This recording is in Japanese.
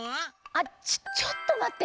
あっちょちょっとまって。